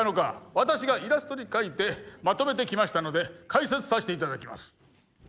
私がイラストに描いてまとめてきましたので解説させて頂きます。